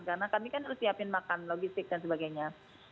karena kami kan harus siapin makan logistik dan sebagainya